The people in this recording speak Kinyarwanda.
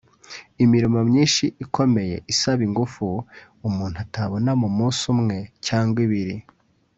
Imirimo myinshi ikomeye isaba ingufu umuntu atabona mu munsi umwe cyangwa ibiri